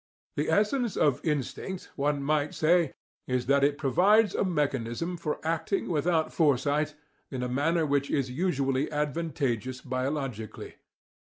The essence of instinct, one might say, is that it provides a mechanism for acting without foresight in a manner which is usually advantageous biologically.